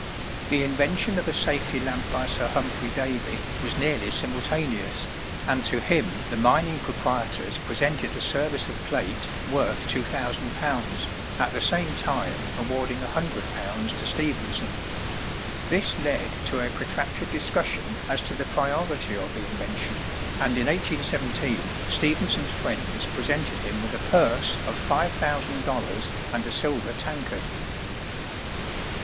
The invention of a safety lamp by Sir Humphry Davy was nearly simultaneous, and to him the mining proprietors presented a service of plate worth £2,000, at the same time awarding £100 to Stephenson. This led to a protracted discussion as to the priority of the invention, and in 1817 Stephenson's friends presented him with a purse of $5,000 and a silver tankard.